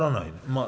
まあ。